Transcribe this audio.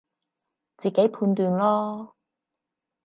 自己判斷囉